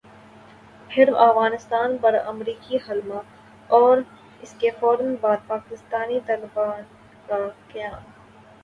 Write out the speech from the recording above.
پھر افغانستان پر امریکی حملہ اور اسکے فورا بعد پاکستانی طالبان کا قیام ۔